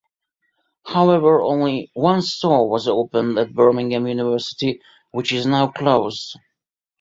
However, only one store was opened at Birmingham University, which is now closed.